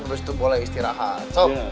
terus boleh istirahat